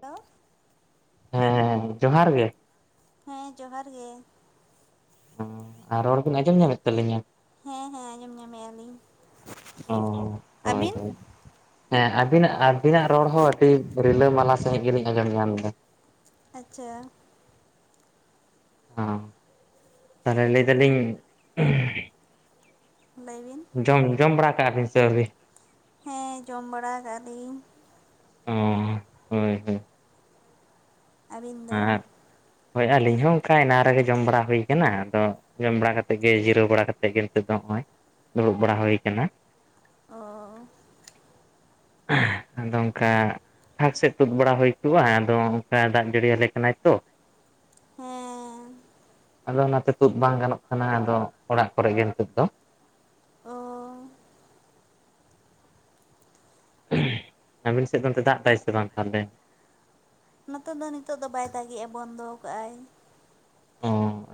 Hello ᱦᱮᱸᱻ ᱡᱚᱦᱟᱨ ᱜᱮ ᱦᱮᱸᱻ ᱡᱚᱦᱟᱨ ᱜᱮ ᱚᱸᱻ ᱟᱨ ᱨᱚᱲ ᱵᱤᱱ ᱟᱸᱡᱚᱢ ᱧᱟᱢᱮᱫ ᱛᱟᱹᱞᱤᱧᱟ ᱦᱮᱸ ᱦᱮᱸ ᱟᱸᱡᱚᱢ ᱧᱟᱢᱮᱫ ᱟᱞᱤᱧ ᱚ ᱦᱳᱭ ᱟᱹᱵᱤᱱ ᱦᱳᱭ ᱦᱮᱸ ᱟᱹᱵᱤᱱᱟᱜ ᱟᱹᱵᱤᱱᱟᱜ ᱨᱚᱲ ᱦᱚᱸ ᱟᱹᱰᱤ ᱨᱤᱞᱟᱹᱢᱟᱞᱟ ᱥᱟᱦᱤᱡ ᱜᱮᱞᱤᱧ ᱟᱸᱡᱚᱢ ᱧᱟᱢ ᱫᱟ ᱟᱪᱪᱷᱟ ᱚᱦᱚᱸ ᱛᱟᱦᱚᱞᱮ ᱞᱟᱹᱭ ᱫᱟᱞᱤᱧ ᱞᱟᱹᱭᱵᱤᱱ ᱡᱚᱢ ᱡᱚᱢ ᱵᱟᱲᱟ ᱠᱟᱜᱼᱟ ᱵᱤᱱ ᱥᱮ ᱟᱹᱣᱨᱤ ᱦᱮᱸ ᱡᱚᱢ ᱵᱟᱲᱟᱣ ᱠᱟᱜ ᱟᱞᱤᱧ ᱚᱸ ᱦᱳᱭ ᱦᱳᱭ ᱟᱹᱵᱤᱱ ᱫᱚ ᱟᱨ ᱦᱳᱭ ᱟᱹᱞᱤᱧ ᱦᱚᱸ ᱚᱱᱠᱟ ᱮᱱᱟᱱ ᱨᱮᱜᱮ ᱡᱚᱢ ᱵᱟᱲᱟ ᱦᱩᱭ ᱟᱠᱟᱱᱟ ᱟᱫᱚ ᱡᱚᱢ ᱵᱟᱲᱟ ᱠᱟᱛᱮᱫ ᱜᱮ ᱡᱤᱨᱟᱹᱣ ᱵᱟᱲᱟ ᱠᱟᱛᱮᱫ ᱜᱮ ᱱᱤᱛᱚᱜ ᱫᱚ ᱱᱚᱜᱼᱚᱭ ᱫᱩᱲᱩᱵ ᱵᱟᱲᱟ ᱦᱩᱭ ᱠᱟᱱᱟ ᱚᱻ ᱟᱫᱚ ᱚᱱᱠᱟ ᱯᱷᱟᱸᱠ ᱥᱮᱫ ᱛᱩᱫ ᱵᱟᱲᱟ ᱦᱩᱭ ᱠᱚᱜᱼᱟ ᱟᱫᱚ ᱚᱱᱠᱟ ᱫᱟᱜ ᱡᱟᱹᱲᱤ ᱟᱞᱮ ᱠᱟᱱᱟᱭ ᱛᱚ ᱦᱚᱸᱻ ᱟᱫᱚ ᱚᱱᱟᱛᱮ ᱛᱩᱫ ᱵᱟᱝ ᱜᱟᱱᱚᱜ ᱠᱟᱱᱟ ᱟᱫᱚ ᱚᱲᱟᱜ ᱠᱚᱨᱮ ᱜᱮ ᱱᱤᱛᱚᱜ ᱫᱚ ᱚᱸᱻ ᱾ ᱟᱹᱵᱤᱱ ᱥᱮᱫ ᱫᱚ ᱚᱱᱛᱮ ᱫᱟᱜ ᱫᱟᱭ ᱥᱮ ᱵᱟᱝ ᱛᱟᱦᱚᱞᱮ ᱱᱚᱛᱮ ᱫᱚ ᱱᱤᱛᱚᱜ ᱫᱚ ᱵᱟᱭ ᱫᱟᱜᱮᱟ ᱵᱚᱱᱫᱚ ᱠᱟᱜᱟᱭ ᱾ ᱚᱸᱻ᱾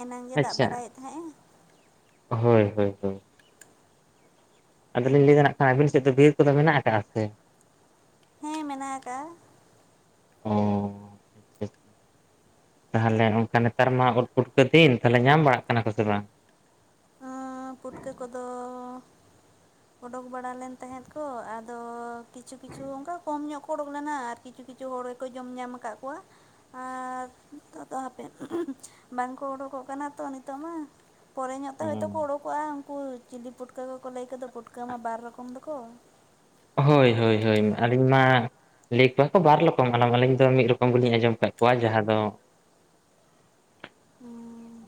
ᱮᱱᱟᱝ ᱜᱮ ᱫᱟᱜ ᱟᱪᱪᱷᱟ ᱵᱟᱲᱟᱭᱮᱫ ᱛᱟᱦᱮᱸᱜᱼᱟ ᱾ ᱦᱳᱭ ᱦᱳᱭ ᱟᱫᱚ ᱞᱤᱧ ᱞᱟᱹᱭᱫᱟ ᱱᱟᱜᱠᱷᱟᱱ ᱟᱹᱵᱤᱱ ᱥᱮᱫ ᱫᱚ ᱵᱤᱨ ᱠᱚᱫᱚ ᱢᱮᱱᱟᱜ ᱟᱠᱟᱫᱼᱟ ᱥᱮ ᱦᱮᱸ ᱢᱮᱱᱟᱜ ᱟᱠᱟᱜᱼᱟ ᱾ ᱚᱸᱻ᱾ ᱛᱟᱦᱚᱞᱮ ᱚᱱᱠᱟ ᱱᱮᱛᱟᱨ ᱢᱟ ᱳᱫ ᱯᱩᱴᱠᱟᱹ ᱫᱤᱱ ᱛᱟᱦᱚᱞᱮ ᱧᱟᱢ ᱵᱟᱲᱟᱜ ᱠᱟᱱᱟ ᱠᱚ ᱥᱮ ᱵᱟᱝ ᱯᱩᱴᱠᱟᱹ ᱠᱚᱫᱚ ᱚᱰᱳᱠ ᱵᱟᱲᱟ ᱞᱮᱱ ᱛᱟᱦᱮᱸᱫ ᱠᱚ ᱟᱫᱚ ᱠᱤᱪᱷᱩ ᱠᱤᱪᱷᱩ ᱚᱱᱠᱟ ᱠᱚᱢ ᱧᱚᱜ ᱠᱚ ᱚᱰᱩᱠ ᱞᱮᱱᱟ ᱟᱨ ᱠᱤᱪᱷᱩ ᱠᱤᱪᱷᱩ ᱦᱚᱲ ᱜᱮᱠᱚ ᱡᱚᱢ ᱧᱟᱢ ᱟᱠᱟᱫ ᱠᱚᱣᱟ ᱟᱨ ᱱᱤᱛᱚᱜ ᱫᱚ ᱦᱟᱯᱮ ᱵᱟᱝᱠᱚ ᱳᱰᱳᱠᱚᱜ ᱠᱟᱱᱟ ᱛᱚ ᱱᱤᱛᱚᱜ ᱢᱟ ᱾ ᱯᱚᱨᱮ ᱧᱚᱜ ᱛᱮ ᱦᱚᱳᱭᱛᱳ ᱠᱚ ᱚᱰᱳᱠᱚᱜᱼᱟ ᱩᱱᱠᱩ ᱪᱤᱞᱤ ᱯᱩᱴᱠᱟᱹ ᱠᱚᱠᱚ ᱞᱟᱹᱭ ᱠᱚᱫᱟ ᱯᱩᱴᱠᱟᱹ ᱢᱟ ᱵᱟᱨ ᱨᱚᱠᱚᱢ ᱫᱚᱠᱚ ᱦᱳᱭ ᱦᱳᱭ ᱦᱳᱭ ᱟᱹᱞᱤᱧ ᱢᱟ ᱾ ᱞᱟᱹᱭ ᱠᱚᱣᱟ ᱠᱚ ᱵᱟᱨ ᱨᱚᱠᱚᱢ ᱟᱞᱚᱢ ᱟᱹᱞᱤᱧ ᱫᱚ ᱢᱤᱫ ᱨᱚᱠᱚᱢ ᱜᱮᱞᱤᱧ ᱟᱸᱡᱚᱢ ᱠᱟᱫ ᱠᱚᱣᱟ ᱡᱟᱦᱟᱸ ᱫᱚ [inaudible] ᱦᱩᱸ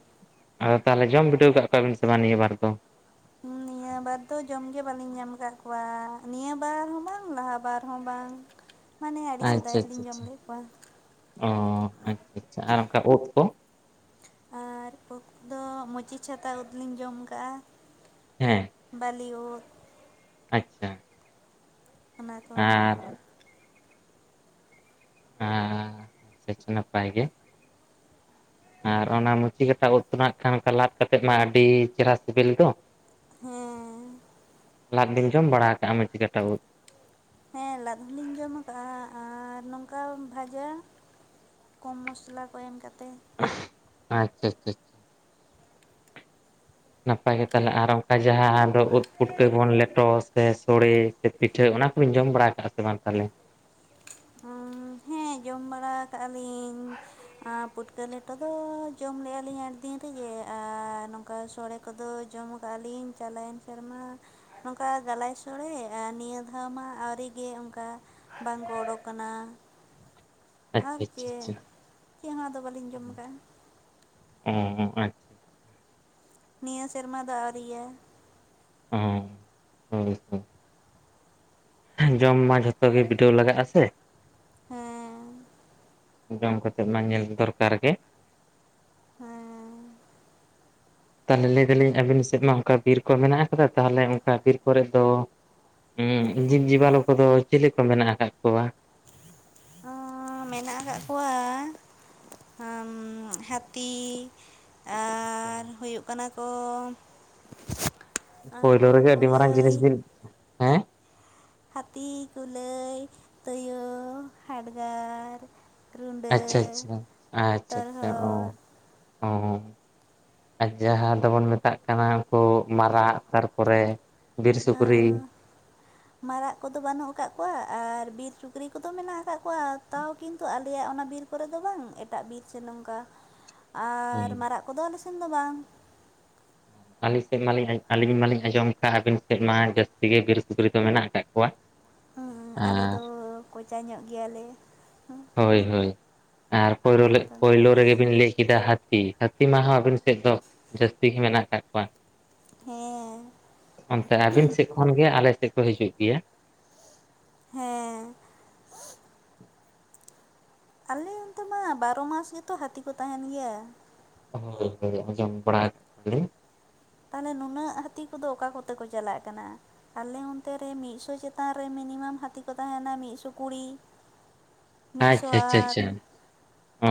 ᱟᱫᱚ ᱛᱟᱦᱚᱞᱮ ᱡᱚᱢ ᱵᱤᱰᱟᱹᱣ ᱟᱠᱟᱫ ᱠᱚᱣᱟᱵᱤᱱ ᱥᱮ ᱵᱟᱝ ᱱᱤᱭᱟᱹᱵᱟᱨ ᱫᱚ ᱱᱤᱭᱟᱹ ᱵᱟᱨ ᱫᱚ ᱡᱚᱢ ᱜᱮ ᱵᱟᱞᱤᱧ ᱧᱟᱢ ᱟᱠᱟᱫ ᱠᱚᱣᱟ ᱱᱤᱭᱟᱹ ᱵᱟᱨ ᱦᱚᱸ ᱵᱟᱝ ᱞᱟᱦᱟ ᱵᱟᱨ ᱦᱚᱸ ᱵᱟᱝ᱾ [inaudible] ᱢᱟᱱᱮ ᱟᱹᱰᱤ ᱥᱮᱫᱟᱭ ᱟᱪᱪᱷᱟ ᱟᱪᱪᱷᱟ ᱨᱮᱞᱤᱧ ᱡᱚᱢ ᱟᱪᱪᱷᱟ ᱞᱮᱫ ᱠᱚᱣᱟ ᱚ ᱟᱪᱷᱟ ᱟᱪᱷᱟ ᱟᱨ ᱚᱱᱠᱟ ᱳᱫ ᱠᱚ ᱟᱨ ᱳᱫ ᱫᱚ ᱢᱚᱪᱤ ᱪᱷᱟᱛᱟ ᱩᱫᱽ ᱞᱤᱧ ᱡᱚᱢ ᱠᱟᱜᱼᱟ ᱾ ᱦᱮᱸ᱾ ᱵᱟᱞᱤ ᱳᱫ ᱾ ᱟᱪᱷᱟ ᱾ ᱚᱱᱟ ᱠᱚ ᱦᱮᱸ [inaudible] ᱱᱟᱯᱟᱭ ᱜᱮ ᱟᱨ ᱚᱱᱟ ᱢᱩᱪᱤ ᱠᱟᱴᱟ ᱳᱫ ᱠᱚ ᱱᱟᱜ ᱠᱷᱟᱱ ᱞᱟᱫ ᱠᱟᱛᱮᱫ ᱢᱟ ᱟᱹᱰᱤ ᱪᱮᱦᱨᱟ ᱥᱮᱵᱮᱞ ᱫᱚ ᱦᱮᱸ ᱻ ᱾ ᱞᱟᱫ ᱵᱤᱱ ᱡᱚᱢ ᱵᱟᱲᱟ ᱟᱠᱟᱫᱼᱟ ᱢᱩᱪᱤ ᱠᱟᱴᱟ ᱳᱫ ᱦᱮᱸ ᱞᱟᱫ ᱫᱩᱞᱤᱧ ᱡᱚᱢ ᱟᱠᱟᱜ-ᱟ ᱟᱨ ᱱᱚᱝᱠᱟ ᱵᱷᱟᱡᱟ ᱾ ᱠᱚᱢ ᱢᱚᱥᱞᱟ ᱠᱚ ᱮᱢ ᱠᱟᱛᱮ ᱟᱪᱷᱟ ᱟᱪᱷᱟ ᱪᱷᱟ ᱱᱟᱯᱟᱭ ᱜᱮ ᱛᱟᱦᱚᱞᱮ ᱟᱨ ᱚᱱᱠᱟ ᱡᱟᱦᱟᱸ ᱫᱚ ᱩᱫ ᱯᱩᱴᱠᱟᱹ ᱜᱮᱵᱚᱱ ᱞᱮᱴᱚ ᱥᱮ ᱥᱚᱲᱮ ᱥᱮ ᱯᱤᱴᱷᱟᱹ ᱚᱱᱟ ᱠᱚᱵᱤᱧ ᱡᱚᱢ ᱵᱟᱲᱟ ᱟᱠᱟᱜᱼᱟ ᱥᱮ ᱵᱟᱝ ᱛᱟᱦᱚᱞᱮ ᱚᱸ ᱦᱮᱸ ᱡᱚᱢ ᱵᱟᱲᱟ ᱠᱟᱜᱼᱟ ᱞᱤᱧ ᱟ ᱯᱩᱴᱠᱟᱹ ᱞᱮᱴᱚ ᱫᱚ ᱡᱚᱢ ᱞᱮᱫᱜᱼᱟ ᱞᱤᱧ ᱟᱰᱤ ᱫᱤᱱ ᱨᱮᱜᱮ ᱟᱨ ᱱᱚᱝᱠᱟ ᱥᱚᱲᱮ ᱠᱚᱫᱚ ᱡᱚᱢ ᱠᱟᱜᱼᱟ ᱞᱞᱤᱧ ᱪᱟᱞᱟᱣᱮᱱ ᱥᱮᱨᱢᱟ ᱱᱚᱝᱠᱟ ᱜᱟᱞᱟᱭ ᱥᱳᱲᱮ ᱟᱨ ᱱᱤᱭᱟᱹ ᱫᱷᱟᱣ ᱢᱟ ᱟᱹᱣᱨᱤ ᱜᱮ ᱚᱱᱠᱟ ᱵᱟᱝᱠᱚ ᱚᱰᱳᱠ ᱠᱟᱱᱟ ᱾ ᱟᱨ ᱟᱪᱪᱷᱟ ᱟᱪᱪᱷᱟ ᱪᱮᱫ ᱟᱪᱪᱷᱟ ᱪᱮᱫ ᱦᱚᱸ ᱟᱫᱚ ᱵᱟᱹᱞᱤᱧ ᱡᱚᱢ ᱟᱠᱟᱜᱼᱟ ᱾ ᱚᱸ ᱟᱪᱷᱟ ᱾ ᱱᱤᱭᱟᱹ ᱥᱮᱨᱢᱟ ᱫᱚ ᱟᱹᱣᱨᱤᱭᱟ [unintelligible] ᱡᱚᱢ ᱢᱟ ᱡᱷᱚᱛᱚ ᱜᱮ ᱵᱤᱰᱟᱹᱣ ᱞᱟᱜᱟᱜ-ᱟ ᱥᱮ ᱦᱮᱸ ᱡᱚᱢ ᱠᱟᱛᱮᱜ ᱢᱟ ᱧᱮᱞ ᱫᱚᱨᱠᱟᱨ ᱜᱮ ᱦᱮᱸ ᱛᱟᱦᱚᱞᱮ ᱞᱟᱹᱭ ᱫᱟᱞᱤᱧ ᱟᱵᱤᱱ ᱥᱮᱫ ᱢᱟ ᱚᱱᱠᱟ ᱵᱤᱨ ᱠᱚ ᱢᱮᱱᱟᱜ ᱟᱠᱟᱫᱟ ᱛᱟᱦᱚᱞᱮ ᱚᱱᱠᱟ ᱵᱤᱨ ᱠᱚᱨᱮ ᱫᱚ [unintelligible] ᱡᱤᱵᱽ ᱡᱤᱵᱞᱩ ᱠᱚᱫᱚ ᱪᱤᱞᱤ ᱠᱚ ᱢᱮᱱᱟᱜ ᱟᱠᱟᱫ ᱠᱚᱣᱟ? ᱚᱸ ᱢᱮᱱᱟᱜ ᱟᱠᱟᱫ ᱠᱚᱣᱟ [unintelligible] ᱦᱟᱹᱛᱤ [unintelligible] ᱟᱪᱪᱷᱟ ᱟᱨ ᱦᱩᱭᱩᱜ ᱠᱟᱱᱟ ᱠᱚ [inaudible] ᱯᱳᱭᱞᱳ ᱨᱮᱜᱮ ᱟᱹᱰᱤ ᱢᱟᱨᱟᱝ ᱡᱤᱱᱤᱥ ᱠᱩᱞᱟᱹᱭ ᱵᱤᱱ ᱦᱮᱸ ᱦᱟᱹᱛᱤ, ᱠᱩᱞᱟᱹᱭ, ᱛᱳᱭᱳ, ᱦᱟᱰᱜᱟᱨ ᱟᱪᱪᱷᱟ ᱨᱩᱰᱟᱹ ᱟᱪᱪᱷᱟ ᱟᱪᱪᱷᱟ ᱟᱪᱪᱷᱟ ᱚ ᱛᱚᱨᱦᱚᱫ ᱚ [inaudible] ᱟᱨ ᱡᱟᱦᱟᱸ ᱫᱚᱵᱚᱱ ᱢᱮᱛᱟᱜ ᱠᱟᱱᱟ ᱩᱱᱠᱩ ᱢᱟᱨᱟᱜ ᱛᱟᱨᱯᱚᱨᱮ ᱵᱤᱨ ᱥᱩᱠᱨᱤ ᱢᱟᱨᱟᱜ ᱠᱚᱫᱚ ᱵᱟᱹᱱᱩᱜ ᱟᱠᱟᱫ ᱠᱚᱣᱟ ᱟᱨ ᱵᱤᱨ ᱥᱩᱠᱨᱤ ᱠᱚᱫᱚ ᱢᱮᱱᱟᱜ ᱟᱠᱟᱫ ᱠᱚᱣᱟ ᱛᱟᱣ ᱠᱤᱱᱛᱩ ᱟᱞᱮᱭᱟᱜ ᱚᱱᱟ ᱵᱤᱨ ᱠᱚᱨᱮᱫᱚ ᱵᱟᱝ ᱮᱴᱟᱜ ᱵᱤᱨ ᱥᱮ ᱱᱚᱝᱠᱟ [inaudible] ᱟᱨ ᱦᱩᱸ ᱢᱟᱨᱟᱜ ᱠᱚᱫᱚ ᱟᱞᱮᱥᱮᱱ ᱫᱚ ᱵᱟᱝ ᱟᱹᱞᱤᱧ ᱥᱮᱫ ᱢᱟᱞᱤᱧ ᱟᱹᱞᱤᱧ ᱢᱟᱞᱤᱧ ᱟᱸᱡᱚᱢ ᱠᱟᱜᱼᱟ ᱟᱹᱵᱤᱱ ᱥᱮᱫ ᱢᱟ ᱡᱟᱹᱥᱛᱤ ᱜᱮ ᱵᱤᱨ ᱥᱩᱠᱨᱤ ᱫᱚ ᱢᱮᱱᱟᱜ ᱟᱠᱟᱫ ᱠᱚᱣᱟ ᱦᱩᱸ ᱟᱞᱮ ᱟᱨ ᱫᱚ ᱠᱚᱪᱟ ᱧᱚᱜ ᱜᱮᱭᱟᱞᱮ ᱦᱳᱭ ᱦᱳᱭ ᱟᱨ [unintelligible] ᱚᱱᱛᱮ ᱫᱚ ᱯᱳᱭᱞᱳ ᱨᱮᱜᱮ ᱵᱤᱱ ᱞᱟᱹᱭ ᱠᱮᱫᱟ ᱦᱟᱹᱛᱤ ᱦᱟᱹᱛᱤ ᱢᱟ ᱟᱵᱤᱱ ᱥᱮᱫ ᱫᱚ ᱡᱟᱹᱥᱛᱤ ᱜᱮ ᱢᱮᱱᱟᱜ ᱟᱠᱟᱫ ᱠᱚᱣᱟ ᱦᱮᱸ [inaudible] ᱚᱱᱛᱮ ᱟᱹᱵᱤᱱ ᱥᱮᱫ ᱠᱷᱚᱱ ᱜᱮ ᱟᱞᱮ ᱥᱮᱫ ᱠᱚ ᱦᱤᱡᱩᱜ ᱜᱮᱭᱟ ᱾ ᱦᱚᱸ [inaudible] [unintelligible] ᱟᱞᱮ ᱚᱱᱛᱮ ᱢᱟ ᱵᱟᱨᱚ ᱢᱟᱥ ᱜᱮᱛᱚ ᱦᱟᱹᱛᱤ ᱠᱚ ᱛᱟᱦᱮᱱ ᱜᱮᱭᱟ ᱦᱮᱸ ᱤᱱᱠᱟᱹ ᱜᱮ ᱟᱸᱡᱚᱢ ᱵᱟᱰᱟ ᱟᱠᱟ ᱟᱞᱤᱧ ᱛᱟᱦᱚᱞᱮ ᱱᱩᱱᱟᱹᱜ ᱦᱟᱹᱛᱤ ᱠᱚᱫᱚ ᱚᱠᱟ ᱠᱚᱛᱮ ᱠᱚ ᱪᱟᱞᱟᱜ ᱠᱟᱱᱟ ᱟᱞᱮ ᱚᱱᱛᱮ ᱨᱮ ᱢᱤᱫ ᱥᱚ ᱪᱮᱛᱟᱱ ᱨᱮ ᱢᱤᱱᱤᱢᱟᱢ ᱦᱟᱹᱛᱤ ᱠᱚ ᱛᱟᱦᱮᱱᱟ ᱢᱤᱫ ᱥᱚ ᱠᱩᱲᱤ [inaudible] ᱢᱤᱫ ᱥᱚ ᱟᱪᱪᱷᱟ ᱟᱴ ᱟᱪᱪᱷᱟ ᱚ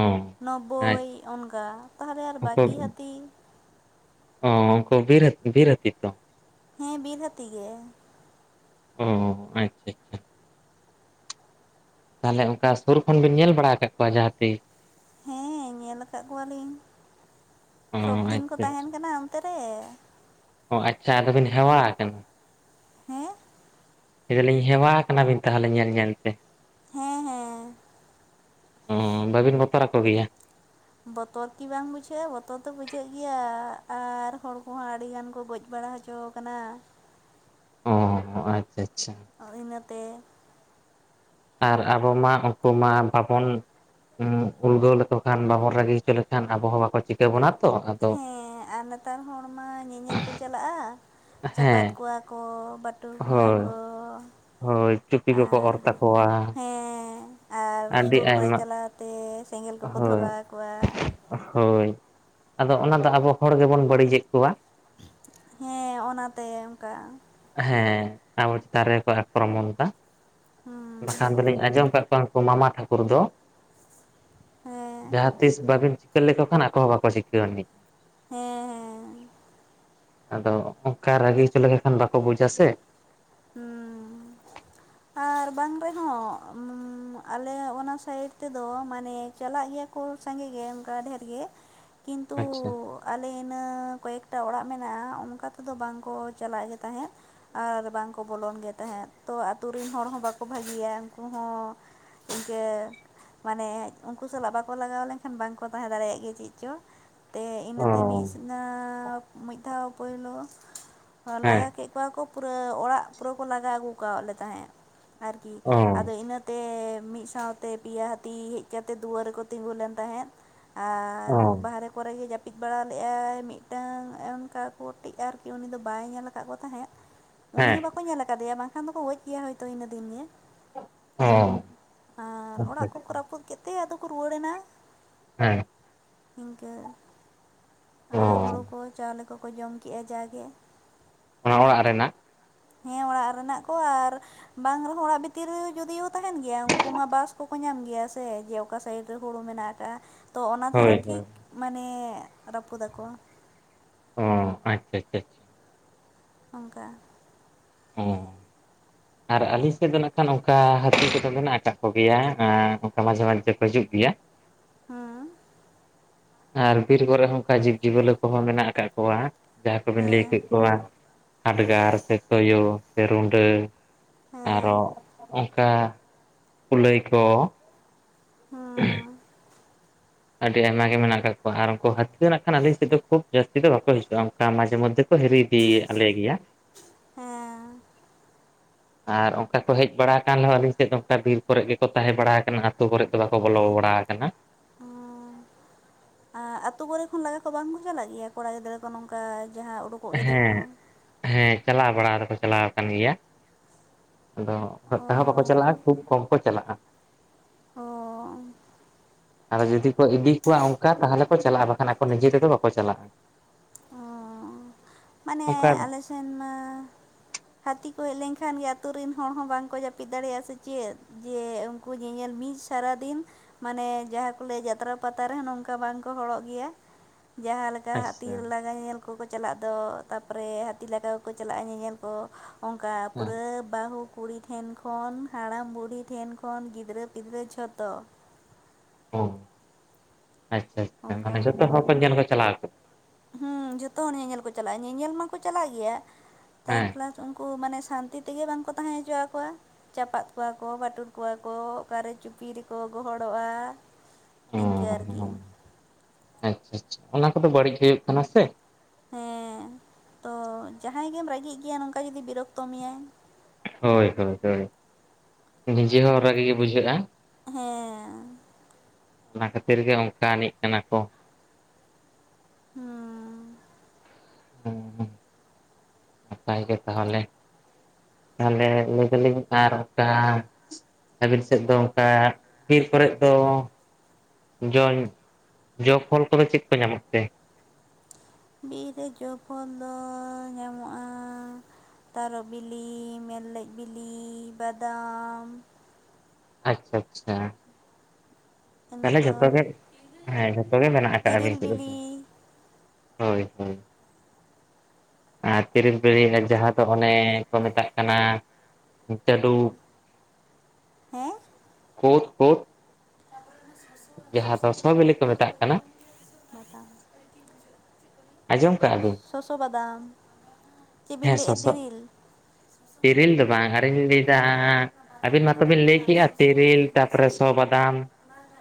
ᱟᱪᱪᱷᱟ ᱱᱚᱵᱵᱳᱭ ᱚᱱᱜᱟ ᱛᱟᱦᱚᱞᱮ ᱟᱨ ᱩᱱᱠᱩ ᱵᱟᱹᱠᱤ ᱦᱟᱹᱛᱤ ᱚ ᱩᱱᱠᱩ ᱵᱤᱨ ᱦᱟᱛᱤ ᱵᱤᱨ ᱦᱟᱛᱤ ᱛᱚ ᱦᱮᱸ ᱵᱤᱨ ᱜᱟᱛᱤ ᱜᱮ ᱚ ᱟᱪᱪᱷᱟ ᱟᱪᱪᱷᱟ ᱛᱟᱦᱚᱞᱮ ᱚᱱᱠᱟ ᱥᱩᱨ ᱠᱷᱚᱱ ᱵᱤᱱ ᱧᱮᱞ ᱵᱟᱲᱟ ᱟᱠᱟᱫ ᱠᱚᱣᱟ ᱡᱟᱦᱟᱸ ᱛᱤᱥ ᱦᱮᱸ ᱧᱮᱞ ᱟᱠᱟᱫ ᱠᱚᱣᱟᱞᱤᱧ ᱚ [inaudible] ᱥᱚᱵᱫᱤᱱ ᱠᱚ ᱟᱪᱪᱷᱟ ᱛᱟᱦᱮᱱ ᱟᱪᱪᱷᱟ ᱠᱟᱱᱟ ᱚᱱᱛᱮ ᱨᱮ ᱚ ᱟᱪᱪᱷᱟ ᱟᱫᱚ ᱵᱤᱱ ᱦᱮᱣᱟ ᱟᱠᱟᱱᱟ ᱦᱮᱸ ᱞᱟᱹᱭᱮᱫᱟᱞᱤᱧ ᱦᱮᱣᱟ ᱠᱟᱱᱟᱵᱤᱱ ᱛᱟᱦᱚᱞᱮ ᱧᱮᱞ ᱧᱮᱞ ᱛᱮ ᱦᱮᱸ ᱦᱮᱸ ᱚᱻ ᱵᱟᱹᱵᱤᱱ ᱵᱚᱛᱚᱨᱟ ᱠᱚᱜᱮᱭᱟ ᱵᱚᱛᱚᱨ ᱠᱤ ᱵᱟᱝ ᱵᱩᱡᱷᱟᱹᱜᱼᱟ ᱵᱚᱛᱚᱨ ᱫᱚ ᱵᱩᱡᱷᱟᱹᱜ ᱜᱮᱭᱟ ᱟᱨ ᱦᱚᱲ ᱠᱚᱦᱚᱸ ᱟᱹᱰᱤ ᱜᱟᱱ ᱠᱚ ᱜᱚᱡ ᱵᱟᱲᱟ ᱦᱚᱪᱚ ᱠᱟᱱᱟ ᱚ ᱟᱪᱪᱷᱟ ᱟᱪᱪᱷᱟ ᱤᱱᱟᱹᱛᱮ ᱟᱨ ᱟᱵᱚ ᱢᱟ ᱩᱱᱠᱩ ᱢᱟ ᱵᱟᱵᱚᱱ ᱩᱲᱽᱜᱟᱹᱣ ᱞᱮᱠᱚ ᱠᱷᱟᱱ ᱵᱟᱵᱚᱱ ᱨᱟᱹᱜᱤ ᱦᱚᱪᱚ ᱞᱮᱠᱷᱟᱱ ᱟᱵᱚ ᱦᱚᱸ ᱵᱟᱠᱚ ᱪᱤᱠᱟᱹ ᱵᱚᱱᱟ ᱛᱚ ᱟᱫᱚ ᱦᱮᱸ ᱟᱨ ᱱᱮᱛᱟᱨ ᱦᱚᱲ ᱢᱟ ᱧᱮᱧᱮᱞ ᱠᱚ ᱪᱟᱞᱟᱜᱼᱟ ᱪᱟᱯᱟᱫ ᱦᱮᱸ ᱠᱚᱣᱟ ᱠᱚ ᱵᱟᱹᱴᱩᱞ ᱠᱚᱣᱟ ᱦᱳᱭ ᱠᱚ ᱦᱳᱭ ᱪᱩᱯᱤ ᱠᱚᱠᱚ ᱟᱨ ᱚᱨ ᱛᱟᱠᱚᱣᱟ ᱦᱮᱸ ᱟᱨ ᱟᱹᱰᱤ ᱥᱩᱨ ᱨᱮ ᱟᱭᱢᱟ ᱪᱟᱞᱟᱣ ᱛᱮ ᱥᱮᱸᱜᱮᱞ ᱠᱚᱠᱚ ᱦᱳᱭ ᱫᱷᱚᱨᱟᱣ ᱟᱠᱚᱣᱟ ᱦᱳᱭ ᱟᱫᱚ ᱚᱱᱟ ᱫᱚ ᱟᱵᱚ ᱦᱚᱲ ᱜᱮᱵᱚᱱ ᱵᱟᱹᱲᱤᱡᱮᱫ ᱠᱚᱣᱟ ᱦᱮᱸ ᱚᱱᱟᱛᱮ ᱚᱱᱠᱟ ᱦᱮᱸ ᱟᱵᱚ ᱪᱮᱛᱟᱱ ᱨᱮᱠᱚ ᱟᱠᱨᱚᱢᱚᱱ ᱫᱟ [unintelligible] ᱵᱟᱠᱷᱟᱱ ᱫᱚᱞᱤᱧ ᱟᱸᱡᱚᱢ ᱟᱠᱟᱫ ᱠᱚᱣᱟ ᱩᱱᱠᱩ ᱢᱟᱢᱟ ᱴᱷᱟᱟᱹᱠᱩᱨ ᱫᱚ ᱦᱮᱸ ᱡᱟᱦᱟᱸ ᱛᱤᱥ ᱵᱟᱵᱤᱱ ᱪᱤᱠᱟᱹ ᱞᱮᱠᱚ ᱠᱷᱟᱱ ᱟᱠᱚ ᱦᱚᱸ ᱵᱟᱠᱚ ᱪᱤᱠᱟᱹᱣᱟᱱᱤᱡᱼᱟ ᱾ ᱦᱮᱸ ᱦᱮᱸ ᱟᱫᱚ ᱚᱱᱠᱟ ᱨᱟᱹᱜᱤ ᱦᱚᱪᱚ ᱞᱮᱠ ᱠᱷᱟᱱ ᱵᱟᱠᱚ ᱵᱩᱡᱟ ᱥᱮ ᱦᱩᱸ [inaudible] ᱟᱨ ᱵᱟᱝ ᱨᱮᱦᱚᱸ ᱟᱞᱮ ᱚᱱᱟ ᱥᱟᱭᱤᱰ ᱛᱮᱫᱚ ᱢᱟᱱᱮ ᱪᱟᱞᱟᱜ ᱜᱮᱭᱟ ᱠᱚ ᱥᱟᱸᱜᱮ ᱜᱮ ᱚᱱᱠᱟ ᱰᱷᱮᱨ ᱜᱮ [inaudible] ᱠᱤᱱᱛᱩ ᱟᱪᱪᱷᱟ ᱟᱞᱮ ᱤᱱᱟᱹ ᱠᱚᱭᱮᱠᱴᱟ ᱚᱲᱟᱜ ᱢᱮᱱᱟᱜᱼᱟ ᱚᱱᱠᱟ ᱛᱮᱫᱚ ᱵᱟᱝᱠᱚ ᱪᱟᱞᱟᱜ ᱜᱮ ᱛᱟᱦᱮᱸᱫ ᱟᱨ ᱵᱟᱝᱠᱚ ᱵᱚᱞᱚᱱ ᱜᱮ ᱛᱟᱦᱮᱸᱫ᱾ ᱛᱚ ᱟᱛᱳ ᱨᱮᱱ ᱦᱚᱲ ᱦᱚᱸ ᱵᱟᱠᱚ ᱵᱷᱟᱹᱜᱤᱭᱟ ᱩᱱᱠᱩ ᱦᱚᱸ ᱤᱱᱠᱟᱹ ᱢᱟᱱᱮ ᱩᱱᱠᱩ ᱥᱟᱞᱟᱜ ᱵᱟᱠᱚ ᱞᱟᱜᱟᱣ ᱞᱮᱱᱠᱷᱟᱱ ᱵᱟᱝᱠᱚ ᱛᱟᱦᱮᱸ ᱫᱟᱲᱮᱭᱟᱜ ᱜᱮᱭᱟ ᱪᱮᱫ ᱪᱚ ᱛᱮ ᱚ ᱤᱱᱟᱹᱛᱮ ᱢᱤᱫ ᱫᱷᱟᱣ ᱯᱳᱭᱞᱳ ᱞᱟᱜᱟ ᱦᱮᱸ ᱠᱮᱫ ᱠᱚᱣᱟ ᱠᱚ ᱯᱩᱨᱟᱹ ᱚᱲᱟᱜ ᱯᱩᱨᱟᱹ ᱠᱚ ᱞᱟᱜᱟᱣ ᱟᱹᱜᱩ ᱠᱟᱣᱞᱮ ᱛᱟᱦᱮᱸᱫ᱾ ᱟᱨᱠᱤ ᱚ ᱟᱫᱚ ᱤᱱᱟᱹᱛᱮ ᱢᱤᱫ ᱥᱟᱶ ᱛᱮ ᱯᱮᱭᱟ ᱦᱟᱹᱛᱤ ᱦᱮᱡ ᱠᱟᱛᱮ ᱫᱩᱣᱟᱹᱨ ᱨᱮᱠᱚ ᱛᱤᱸᱜᱩ ᱞᱮᱱ ᱛᱟᱦᱮᱸᱫ ᱟᱨ ᱚ ᱵᱟᱦᱨᱮ ᱠᱚᱨᱮ ᱜᱮ ᱡᱟᱹᱯᱤᱫ ᱵᱟᱲᱟ ᱞᱮᱜᱟᱭ ᱢᱤᱫᱴᱟᱝ ᱚᱱᱠᱟ [unintelligible] ᱟᱨᱠᱤ ᱩᱱᱤ ᱫᱚ ᱵᱟᱭ ᱧᱮᱞ ᱟᱠᱟᱫ ᱠᱚ ᱛᱟᱦᱮᱸᱫ [inaudible] ᱩᱱᱤ ᱦᱚᱸ ᱵᱟᱠᱚ ᱧᱮᱞ ᱠᱟᱫᱮᱭᱟ ᱵᱟᱝᱠᱷᱟᱱ ᱫᱚᱠᱚ ᱜᱚᱡ ᱠᱮᱭᱟ ᱤᱱᱟᱹ ᱫᱤᱱ ᱜᱮ ᱚ ᱟᱨ ᱟᱪᱪᱷᱟ ᱚᱲᱟᱜ ᱠᱚᱠᱚ ᱨᱟᱹᱯᱩᱫ ᱠᱮᱫ ᱛᱮ ᱟᱫᱚ ᱠᱚ ᱨᱩᱣᱟᱹᱲ ᱮᱱᱟ ᱦᱮᱸ ᱤᱱᱠᱟᱹ ᱚ ᱟᱨ ᱦᱳᱲᱳ ᱠᱚ ᱪᱟᱣᱞᱮ ᱠᱚᱠᱚ ᱡᱚᱢ ᱠᱮᱜᱼᱟ ᱡᱟᱜᱮ ᱚᱱᱟ ᱚᱲᱟᱜ ᱨᱮᱱᱟᱜ ᱦᱮᱸ ᱚᱲᱟᱜ ᱨᱮᱱᱟᱜ ᱠᱚ ᱟᱨ ᱵᱟᱝ ᱨᱮᱦᱚᱸ ᱚᱲᱟᱜ ᱵᱷᱤᱛᱤᱨ ᱨᱮ ᱡᱩᱫᱤᱭ ᱛᱟᱦᱮᱱ ᱜᱮᱭᱟ ᱩᱱᱠᱩ ᱢᱟ ᱵᱟᱥ ᱠᱚ ᱠᱚ ᱧᱟᱢ ᱜᱮᱭᱟ ᱥᱮ ᱡᱮ ᱚᱠᱟ ᱥᱟᱭᱤᱰ ᱨᱮ ᱦᱩᱲᱩ ᱢᱮᱱᱟᱜ ᱠᱟᱜᱼᱟ ᱛᱚ ᱚᱱᱟ ᱦᱳᱭ ᱫᱷᱟᱨᱮ ᱦᱳᱭ ᱴᱷᱤᱠ ᱢᱟᱱᱮ ᱨᱟᱹᱯᱩ ᱫᱟᱠᱚ ᱚ ᱟᱪᱪᱷᱟ ᱟᱪᱪᱷᱟ ᱟᱪᱪᱷᱟ ᱚᱝᱠᱟ ᱚ ᱟᱨ ᱟᱹᱞᱤᱧ ᱥᱮᱫ ᱫᱚ ᱱᱟᱠᱷᱟᱱ ᱚᱱᱠᱟ ᱦᱟᱹᱛᱤ ᱠᱚᱫᱚ ᱢᱮᱱᱟᱜ ᱟᱠᱟᱫ ᱠᱚᱜᱮᱭᱟ ᱚᱱᱠᱟ ᱢᱟᱡᱷᱮ ᱢᱟᱡᱷᱮ ᱠᱚ ᱦᱤᱡᱩᱜ ᱜᱮᱭᱟ ᱦᱩᱸ ᱟᱨ ᱵᱤᱨ ᱠᱚᱨᱮ ᱦᱚᱸ ᱚᱱᱠᱟ ᱡᱤᱵᱽ ᱡᱤᱭᱟᱹᱞᱤ ᱠᱚᱦᱚᱸ ᱢᱮᱱᱟᱜ ᱟᱠᱟᱜ ᱠᱚᱣᱟ ᱡᱟᱦᱟᱸ ᱠᱚᱵᱤᱱ ᱞᱟᱹᱭ ᱦᱮᱸ ᱠᱮᱫ ᱠᱚᱣᱟ ᱦᱟᱰᱜᱟᱨ ᱥᱮ ᱛᱳᱭᱳ ᱥᱮ ᱨᱩᱸᱰᱟᱹ ᱟᱨᱚ ᱦᱮᱸ ᱚᱝᱠᱟ ᱠᱩᱞᱟᱹᱭ ᱠᱚ ᱦᱩᱸ ᱟᱹᱰᱤ ᱟᱭᱢᱟ ᱜᱮ ᱢᱮᱱᱟᱜ ᱠᱟᱜ ᱠᱚᱣᱟ ᱟᱨ ᱩᱱᱠᱩ ᱦᱟᱹᱛᱤ ᱱᱟᱜᱠᱷᱟᱱ ᱟᱞᱤᱧ ᱥᱮᱫ ᱫᱚ ᱠᱷᱩᱵ ᱡᱟᱹᱥᱛᱤ ᱫᱚ ᱵᱟᱠᱚ ᱦᱤᱡᱩᱜᱼᱟ ᱚᱱᱠᱟ ᱢᱟᱡᱮ ᱢᱚᱫᱽᱫᱷᱮ ᱦᱤᱨᱤ ᱤᱫᱤᱭᱟᱞᱮ ᱜᱮᱭᱟ ᱦᱮᱸ [inaudible] ᱟᱨ ᱚᱱᱠᱟ ᱠᱚ ᱦᱮᱡ ᱵᱟᱲᱟ ᱟᱠᱟᱱ ᱨᱮᱦᱚᱸ ᱟᱹᱞᱤᱧ ᱥᱮᱫ ᱫᱚ ᱚᱱᱠᱟ ᱵᱤᱨ ᱠᱚᱨᱮ ᱜᱮᱠᱚ ᱛᱟᱦᱮᱸ ᱵᱟᱲᱟ ᱟᱠᱟᱱᱟ ᱟᱛᱳ ᱠᱚᱨᱮᱫ ᱫᱚ ᱵᱟᱠᱚ ᱵᱚᱞᱚ ᱵᱟᱲᱟ ᱟᱠᱟᱱᱟ᱾ ᱚᱻ ᱟᱛᱳ ᱠᱚᱨᱮ ᱠᱷᱚᱱ ᱞᱟᱜᱟ ᱠᱚ ᱵᱟᱝ ᱠᱚ ᱪᱟᱞᱟᱜ ᱜᱮᱭᱟ ᱠᱚᱲᱟ ᱜᱤᱫᱽᱨᱟᱹ ᱠᱚ ᱱᱚᱝᱠᱟ ᱡᱟᱦᱟᱸ ᱩᱰᱩᱠ ᱦᱮᱸ ᱦᱮᱸ ᱪᱟᱞᱟᱣ ᱵᱟᱲᱟ ᱫᱚᱠᱚ ᱪᱟᱞᱟᱣ ᱟᱠᱟᱱ ᱜᱮᱭᱟ ᱟᱫᱚ ᱚ ᱩᱱᱟᱜᱴᱟ ᱦᱚᱸ ᱵᱟᱠᱚ ᱪᱟᱞᱟᱜᱼᱟ ᱠᱷᱩᱵ ᱠᱚᱢ ᱠᱚ ᱪᱟᱞᱟᱜᱼᱟ᱾ ᱚᱻ ᱟᱫᱚ ᱡᱩᱫᱤ ᱠᱚ ᱤᱫᱤ ᱠᱚᱣᱟ ᱚᱱᱠᱟ ᱛᱟᱦᱚᱞᱮ ᱠᱚ ᱪᱟᱞᱟᱜ, ᱵᱟᱠᱷᱟᱱ ᱟᱠᱚ ᱱᱤᱡᱮ ᱛᱮᱫᱚ ᱵᱟᱠᱚ ᱪᱟᱞᱟᱜᱼᱟ᱾ ᱚᱻ ᱢᱟᱱᱮ ᱚᱱᱠᱟ ᱟᱞᱮ ᱥᱮᱱ ᱢᱟ ᱦᱟᱹᱛᱤ ᱠᱚ ᱦᱮᱡ ᱞᱮᱱᱠᱷᱟᱱ ᱜᱮ ᱟᱛᱳ ᱨᱮᱱ ᱦᱚᱲ ᱦᱚᱸ ᱵᱟᱝᱠᱚ ᱡᱟᱹᱯᱤᱫ ᱫᱟᱲᱮᱭᱟᱜᱼᱟ ᱥᱮ ᱪᱮᱫ ᱡᱮ ᱠᱚ ᱧᱮᱧᱮᱞ ᱢᱤᱝ ᱥᱟᱨᱟ ᱫᱤᱱ ᱢᱟᱱᱮ ᱡᱟᱦᱟᱸ ᱠᱚ ᱞᱟᱹᱭᱟ ᱡᱟᱛᱨᱟ ᱯᱟᱛᱟ ᱨᱮᱦᱚᱸ ᱱᱚᱝᱠᱟ ᱵᱟᱝᱠᱚ ᱦᱚᱲᱚᱜ ᱜᱮᱭᱟ, ᱡᱟᱸᱦᱟ ᱞᱮᱠᱟ ᱟᱪᱪᱷᱟ ᱧᱮᱧᱮᱞ ᱠᱚᱠᱚ ᱪᱟᱞᱟᱜ ᱫᱚ ᱛᱟᱨᱯᱚᱨᱮ ᱦᱟᱹᱛᱤ ᱞᱠᱟ ᱠᱚᱠᱚ ᱪᱟᱞᱟᱜᱼᱟ ᱧᱮᱧᱮᱞ ᱠᱚ, ᱚᱱᱠᱟ ᱦᱮᱸ ᱯᱩᱨᱟᱹ ᱵᱟᱹᱦᱩ ᱠᱩᱲᱤ ᱴᱷᱮᱱ ᱠᱷᱚᱱ ᱦᱟᱲᱟᱢ ᱵᱩᱲᱰᱦᱤ ᱴᱷᱮᱱ ᱠᱷᱚᱱ ᱜᱤᱫᱽᱨᱟᱹ ᱯᱤᱫᱽᱨᱟᱹ ᱡᱷᱚᱛᱚ᱾ ᱚ ᱟᱪᱪᱷᱟ ᱟᱪᱪᱷᱟ ᱚᱱᱠᱟ ᱢᱟᱱᱮ ᱡᱷᱚᱛᱚ ᱦᱚᱲ ᱠᱚ ᱧᱮᱞ ᱠᱚ ᱪᱟᱞᱟᱣ ᱟᱠᱚ? ᱦᱮᱸ ᱡᱷᱚᱛᱚ ᱦᱚᱲ ᱧᱮᱧᱮᱞ ᱠᱚ ᱪᱟᱞᱟᱜᱼᱟ, ᱧᱮᱧᱮᱞ ᱢᱟᱠᱚ ᱪᱟᱞᱟᱜ ᱜᱮᱭᱟ ᱛᱟᱨ ᱦᱮᱸ ᱯᱞᱟᱥ ᱩᱱᱠᱩ ᱢᱟᱱᱮ ᱥᱟᱱᱛᱤ ᱛᱮᱜᱮ ᱵᱟᱝᱠᱚ ᱛᱟᱦᱮᱸᱟᱸ ᱦᱚᱪᱚ ᱟᱠᱚᱣᱟ᱾ ᱪᱟᱯᱟᱫ ᱠᱚᱣᱟ ᱠᱚ, ᱵᱟᱴᱩᱞ ᱠᱚᱣᱟ ᱠᱚ, ᱚᱠᱟᱨᱮ ᱪᱩᱯᱤ ᱨᱮᱠᱚ ᱜᱚᱦᱚᱲᱚᱜᱼᱟ, ᱚ ᱤᱝᱠᱟ. ᱟᱨᱠᱤ᱾ ᱟᱪᱪᱷᱟ ᱟᱪᱪᱷᱟ ᱚᱱᱟ ᱠᱚᱫᱚ ᱵᱟᱹᱲᱤᱡ ᱦᱩᱭᱩᱜ ᱠᱟᱱᱟ ᱥᱮ? ᱦᱮᱸ ᱛᱚ ᱡᱟᱦᱟᱸᱭ ᱜᱮᱢ ᱨᱟᱹᱜᱤᱜ ᱜᱮᱭᱟ ᱱᱚᱝᱠᱟ ᱡᱩᱫᱤ ᱵᱤᱨᱚᱠᱛᱚ ᱢᱮᱭᱟᱭ ᱦᱳᱭ ᱦᱳᱭ ᱦᱳᱭ ᱱᱤᱡᱮ ᱦᱚᱸ ᱨᱟᱜᱤ ᱜᱮ ᱵᱩᱡᱷᱟᱹᱜᱼᱟ᱾ ᱦᱮᱸ ᱚᱱᱟ ᱠᱷᱟᱹᱛᱤᱨ ᱜᱮ ᱚᱱᱠᱟ ᱟᱹᱱᱤᱡ ᱠᱟᱱᱟ ᱠᱚ, ᱦᱩᱸ ᱱᱟᱯᱟᱭ ᱜᱮ ᱛᱟᱦᱚᱞᱮ, ᱛᱟᱦᱞᱮ ᱞᱟᱹᱭ ᱫᱟᱞᱤᱧ ᱟᱨ ᱚᱱᱠᱟ ᱟᱹᱵᱤᱱ ᱥᱮᱫ ᱫᱚ ᱚᱱᱠᱟ ᱵᱤᱨ ᱠᱚᱨᱮᱫ ᱫᱚ ᱡᱚᱢ ᱡᱚ ᱯᱷᱚᱞ ᱠᱚᱫᱚ ᱪᱮᱫ ᱠᱚ ᱧᱟᱢᱚᱜ ᱛᱮ? ᱵᱤᱨ ᱨᱮ ᱡᱚ ᱯᱷᱚᱞ ᱫᱚ ᱧᱟᱢᱚᱜᱼᱟ ᱛᱟᱨᱚᱵ ᱵᱤᱞᱤ, ᱢᱮᱞ ᱞᱮᱡ ᱵᱤᱞᱤ, ᱵᱟᱫᱟᱢ ᱟᱪᱪᱷᱟ ᱟᱪᱪᱷᱟ᱾ ᱤᱱᱟᱹ ᱛᱟᱦᱞᱮ ᱠᱚ ᱡᱷᱚᱛᱚ ᱜᱮ ᱦᱮᱸ ᱡᱷᱚᱛᱚᱜ ᱜᱮ ᱢᱮᱱᱟᱜ ᱟᱠᱟᱫᱟ ᱛᱤᱨᱤᱞ ᱟᱵᱤᱱ ᱥᱮᱫ ᱫᱚ᱾ ᱵᱤᱞᱤ ᱦᱳᱭ ᱦᱳᱭ ᱛᱤᱨᱤᱞ ᱵᱤᱲᱤ ᱡᱟᱦᱟᱸ ᱫᱚ ᱚᱱᱮ ᱠᱚ ᱢᱮᱛᱟᱜ ᱠᱟᱱᱟ, ᱪᱟᱞᱩᱵ ᱦᱮᱸ ᱠᱳᱫ ᱠᱳᱫ [unintelligible] ᱡᱟᱦᱟᱸ ᱫᱚ ᱥᱚ ᱵᱤᱞᱤ ᱠᱚ ᱢᱮᱛᱟᱜ ᱠᱟᱱᱟ᱾ ᱦᱟᱛᱟᱣ ᱟᱸᱡᱚᱢ ᱠᱟᱜᱼᱟ ᱵᱤᱱ ᱥᱚᱥᱚ ᱵᱟᱫᱟᱢ ᱪᱮᱫ ᱵᱤᱱ ᱦᱮᱸᱥᱮ ᱞᱟᱹᱭᱮᱫᱼᱟ ᱥᱚᱜ ᱛᱤᱨᱤᱞ ᱛᱤᱨᱤᱞ ᱫᱚ ᱵᱟᱝ ᱟᱨᱤᱧ ᱞᱟᱹᱭᱫᱟ ᱟᱹᱵᱤᱱ ᱢᱟᱛᱚᱵᱤᱱ ᱞᱟᱹᱭ ᱠᱮᱜᱼᱟ ᱛᱮᱨᱤᱞ ᱛᱟᱯᱨᱮ ᱥᱚ ᱵᱟᱫᱟᱢ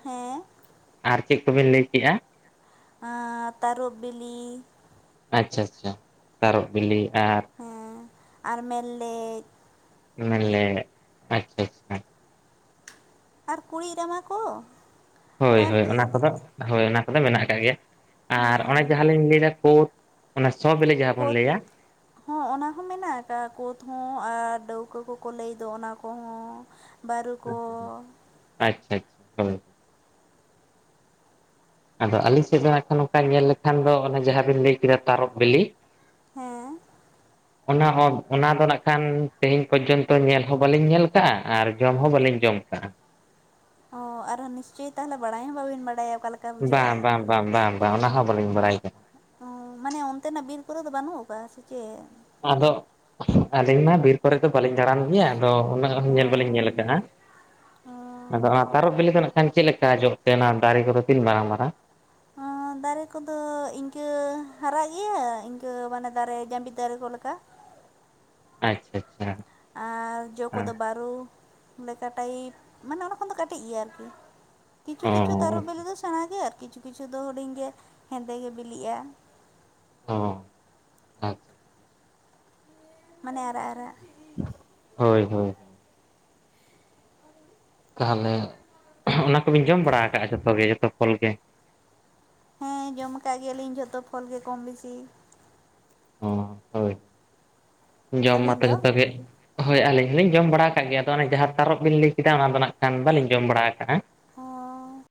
ᱦᱮᱸ ᱟᱨ ᱪᱮᱫ ᱠᱚᱵᱤᱱ ᱞᱟᱹᱭ ᱠᱮᱫᱼᱟ? ᱟᱸᱻ ᱛᱟᱨᱚᱵ ᱵᱤᱞᱤ, ᱟᱪᱪᱷᱟ ᱟᱪᱪᱷᱟ ᱛᱟᱨᱚᱵ ᱵᱤᱞᱤ ᱟᱨ ᱦᱮᱸ ᱟᱨ ᱢᱮᱞᱞᱮᱡ, ᱢᱮᱞᱞᱮᱜ ᱟᱪᱪᱷᱟ ᱪᱷᱟ ᱟᱨ ᱠᱩᱲᱤᱜ ᱨᱟᱢᱟ ᱠᱚ, ᱦᱳᱭ ᱟᱨ ᱦᱳᱭ ᱪᱮᱫ ᱚᱱᱟ ᱠᱚᱫᱚ ᱦᱳᱭ ᱚᱱᱟ ᱠᱚᱫᱚ ᱢᱮᱱᱟᱜ ᱟᱠᱟᱫ ᱜᱮᱭᱟ ᱟᱨ ᱚᱱᱮ ᱦᱮᱸ ᱡᱟᱦᱟᱸ ᱞᱤᱧ ᱞᱟᱹᱭᱫᱟ ᱠᱳᱛ, ᱚᱱᱟ ᱥᱚ ᱵᱤᱞᱤ ᱡᱟᱦᱟᱸ ᱵᱚᱱ ᱠᱳᱫ ᱞᱟᱹᱭᱟ᱾ ᱦᱚᱸ ᱚᱱᱟ ᱦᱚᱸ ᱢᱮᱱᱟᱜ ᱟᱠᱟᱫ ᱠᱳᱛ ᱦᱚᱸ ᱟᱨ ᱰᱟᱹᱣᱠᱟᱹ ᱠᱚᱠᱚ ᱞᱟᱹᱭ ᱫᱚ ᱚᱱᱟ ᱠᱚᱦᱚᱸ ᱵᱟᱹᱨᱩ ᱠᱚ ᱟᱪᱪᱷᱟ ᱟᱪᱪᱷᱟ ᱦᱳᱭ᱾ ᱟᱫᱚ ᱟᱹᱞᱤᱧ ᱥᱮᱫ ᱫᱚ ᱦᱟᱜ ᱱᱚᱝᱠᱟ ᱧᱮᱞ ᱞᱮᱠᱷᱟᱱ ᱫᱚ ᱚᱱᱮ ᱡᱟᱦᱟᱸ ᱵᱤᱱ ᱞᱟᱹᱭ ᱠᱮᱫᱟ ᱛᱟᱨᱚᱵ ᱵᱤᱞᱤ᱾ ᱦᱮᱸ [inaudible] ᱚᱱᱟ ᱦᱚᱸ ᱚᱱᱟ ᱫᱚ ᱱᱟᱜ ᱠᱷᱟᱱ ᱛᱮᱦᱮᱧ ᱯᱚᱡᱡᱚᱱᱛᱚ ᱧᱮᱞ ᱦᱚᱸ ᱵᱟᱹᱞᱤᱧ ᱧᱮᱞ ᱠᱟᱜᱼᱟ, ᱟᱨ ᱡᱚᱢ ᱦᱚᱸ ᱵᱟᱹᱞᱤᱧ ᱡᱚᱢ ᱠᱟᱜᱼᱟ᱾ ᱦᱚᱸ ᱟᱨ ᱱᱤᱥᱪᱚᱭ ᱛᱟᱦᱚᱞᱮ ᱵᱟᱲᱟᱭ ᱦᱚᱸ ᱵᱟᱹᱵᱤᱱ ᱵᱟᱲᱟᱭᱟ ᱚᱠᱟᱞᱮᱠᱼᱼ ᱵᱟᱝ ᱵᱟᱝ ᱵᱟᱝ ᱵᱟᱝ ᱵᱟᱝ ᱚᱱᱟ ᱦᱚᱸ ᱵᱟᱹᱞᱤᱧ ᱵᱟᱲᱟᱭ [inaudible] ᱢᱟᱱᱮ ᱚᱱᱛᱮᱱᱟᱜ ᱵᱤᱨ ᱠᱚᱨᱮ ᱫᱚ ᱵᱟᱹᱱᱩᱜ ᱟᱠᱟᱫᱟ ᱥᱮ ᱪᱮᱫ ᱟᱫᱚ ᱟᱹᱞᱤᱧ ᱢᱟ ᱵᱤᱨ ᱠᱚᱨᱮ ᱫᱚ ᱵᱟᱹᱞᱤᱧ ᱫᱟᱬᱟᱱ ᱜᱮᱭᱟ ᱟᱫᱚ ᱩᱱᱟᱹᱜ ᱦᱚᱸ ᱚ ᱧᱮᱞ ᱵᱟᱹᱞᱤᱧ ᱧᱮᱞ ᱟᱠᱟᱫᱼᱟ ᱚ ᱟᱫᱚ ᱚᱱᱟ ᱛᱟᱨᱚᱵ ᱵᱤᱞᱤ ᱫᱚ ᱪᱮᱫ ᱞᱮᱠᱟ ᱡᱚ ᱛᱟᱦᱮᱸᱱᱟ ᱫᱟᱨᱮ ᱠᱚᱫᱚ ᱛᱤᱱ ᱢᱟᱨᱟᱝ ᱢᱟᱨᱟᱝ ᱚ [unintelligible] ᱫᱟᱨᱮ ᱠᱚᱫᱚ ᱤᱱᱠᱟᱹ ᱦᱟᱨᱟᱜ ᱜᱮᱭᱟ ᱤᱱᱠᱟᱹ ᱢᱟᱱᱮ ᱫᱟᱨᱮ ᱡᱟᱹᱵᱤ ᱫᱟᱨᱮ ᱠᱚ ᱞᱮᱠᱟ ᱟᱪᱪᱷᱟ ᱟᱪᱪᱷᱟ ᱟᱨ ᱡᱚ ᱟᱨ ᱠᱚᱫᱚ ᱵᱟᱹᱨᱩ ᱞᱮᱠᱟ ᱴᱟᱭᱤᱯ ᱢᱟᱱᱮ ᱚᱱᱟ ᱠᱷᱚᱱ ᱫᱚ ᱠᱟᱹᱴᱤᱡ ᱜᱮᱭᱟ ᱟᱨᱠᱤ ᱠᱤᱪᱷᱩ ᱚ ᱠᱤᱪᱷᱩ ᱛᱚᱨᱚᱵ ᱵᱮᱞᱮ ᱫᱚ ᱥᱮᱬᱟ ᱜᱮᱭᱟ ᱠᱤᱪᱷᱩ ᱠᱤᱪᱷᱩ ᱫᱚ ᱦᱩᱰᱤᱧ ᱜᱮᱭᱟ ᱦᱮᱸᱫᱮ ᱜᱮ ᱵᱤᱞᱤᱜᱼᱟ ᱚ ᱟᱡ ᱢᱟᱱᱮ ᱟᱨᱟᱜ ᱟᱨᱟᱜ ᱦᱳᱭ ᱦᱳᱭ ᱛᱟᱦᱚᱞᱮ ᱚᱱᱟ ᱠᱚᱵᱤᱱ ᱡᱚᱢ ᱵᱟᱲᱟ ᱟᱠᱟᱜᱼᱟ ᱡᱚᱛᱚ ᱜᱮ ᱡᱚᱛᱚ ᱯᱷᱚᱞ ᱜᱮ ᱦᱮᱸ ᱡᱚᱢ ᱟᱠᱟᱫ ᱜᱮᱭᱟᱞᱤᱧ ᱡᱷᱚᱛᱚ ᱯᱷᱚᱞ ᱜᱮ ᱠᱚᱢ ᱵᱮᱥᱤ ᱚ ᱦᱳᱭ ᱡᱚᱢ ᱟᱹᱵᱤᱱ ᱢᱟᱛᱚ ᱫᱚ ᱡᱚᱛᱚ ᱜᱮ ᱦᱳᱭ ᱟᱹᱞᱤᱧ ᱦᱚᱞᱤᱧ ᱡᱚᱢ ᱵᱟᱲᱟ ᱟᱠᱟᱫ ᱜᱮᱭᱟ ᱛᱚ ᱚᱱᱮ ᱡᱟᱦᱟᱸ ᱛᱟᱨᱚᱵ ᱵᱤᱱ ᱞᱟᱹᱭ ᱠᱮᱫᱟ ᱚᱱᱟ ᱫᱚ ᱱᱟᱜ ᱠᱷᱟᱱ ᱵᱟᱞᱤᱧ ᱡᱚᱢ ᱵᱟᱲᱟ ᱟᱠᱟᱜᱼᱟ [unintelligible]